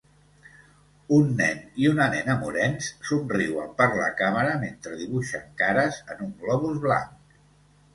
Un nen i una nena morens somriuen per la càmera mentre dibuixen cares en un globus blanc.